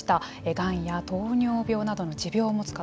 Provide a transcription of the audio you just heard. がんや糖尿病などの持病を持つ方